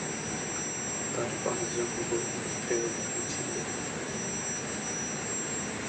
তার পাঁচজন বৈমাত্রেয় বোন ছিল।